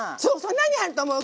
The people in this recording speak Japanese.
何入ると思う？